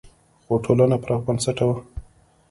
خو ټولنه پراخ بنسټه وه.